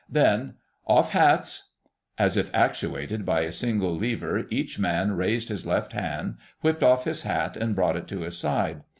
Then— "Off hats!" As if actuated by a single lever each man raised his left hand, whipped off his hat and brought it to his side.